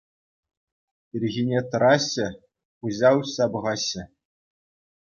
Ирхине тӑраҫҫӗ, куҫа уҫса пӑхаҫҫӗ.